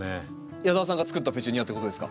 矢澤さんが作ったペチュニアっていうことですか？